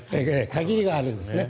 限りがあるんですね。